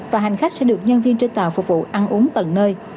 và hành khách sẽ được nhân viên trên tàu phục vụ ăn uống tận nơi